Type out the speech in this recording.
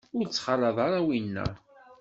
Ur ttxalaḍ ara winna.